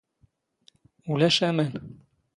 ⵓⵍⴰⵛ ⴰⵎⴰⵏ.